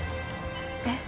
えっ？